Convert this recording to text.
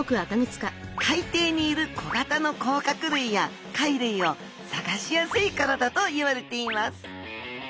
海底にいる小型の甲殻類や貝類を探しやすいからだといわれています